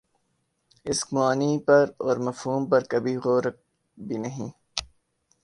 اسک معانی پر اور مفہوم پر کبھی غورک بھی نہیں